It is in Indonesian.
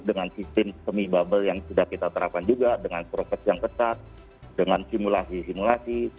dengan sistem semi bubble yang sudah kita terapkan juga dengan proses yang ketat dengan simulasi simulasi